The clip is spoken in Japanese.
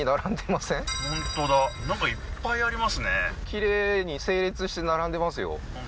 きれいに整列して並んでますよ